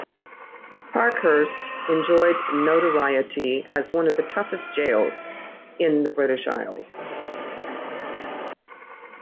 Parkhurst enjoyed notoriety as one of the toughest jails in the British Isles.